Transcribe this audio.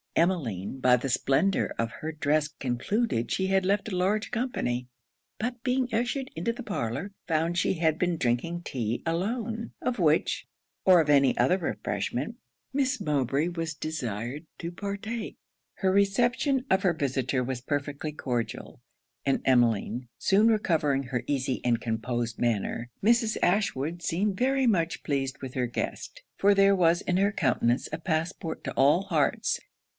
Emmeline, by the splendour of her dress, concluded she had left a large company: but being ushered into a parlour, found she had been drinking tea alone; of which, or of any other refreshment, Miss Mowbray was desired to partake. Her reception of her visitor was perfectly cordial; and Emmeline soon recovering her easy and composed manner, Mrs. Ashwood seemed very much pleased with her guest; for there was in her countenance a passport to all hearts.